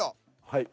はい。